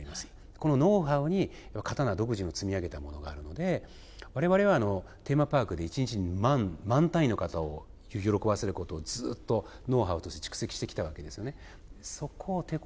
このノウハウに、刀の独自の積み上げたものがあるのでわれわれはテーマパークで万単位の方を喜ばせることをずっとノウハウとして蓄積してきたわけですね。